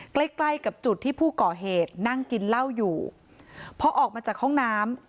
ใกล้ใกล้กับจุดที่ผู้ก่อเหตุนั่งกินเหล้าอยู่พอออกมาจากห้องน้ำ